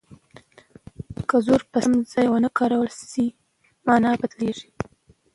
که زور په سم ځای ونه کارول شي مانا بدلیږي.